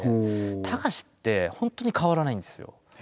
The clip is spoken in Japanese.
たかしって本当に変わらないんですよ。